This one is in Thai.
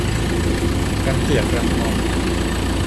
รังเกียจรังงอน